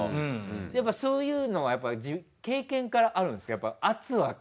やっぱそういうのはやっぱり経験からあるんですか？